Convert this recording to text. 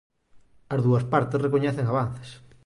As dúas partes recoñecen avances...